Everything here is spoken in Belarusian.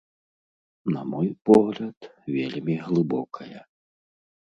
На мой погляд, вельмі глыбокая.